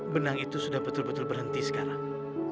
benang itu sudah betul betul berhenti sekarang